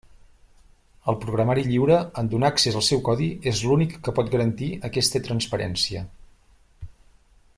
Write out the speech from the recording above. El programari lliure, en donar accés al seu codi, és l'únic que pot garantir aquesta transparència.